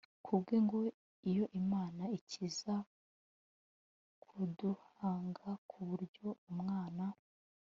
ku bwe, ngo iyo imana ikiza kuduhanga ku buryo umwana